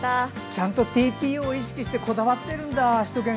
ちゃんとＴＰＯを意識してこだわってるんだ！